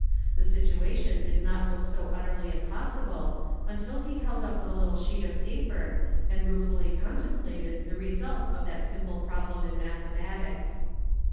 The situation did not look so utterly impossible until he held up the little sheet of paper and ruefully contemplated the result of that simple problem in mathematics.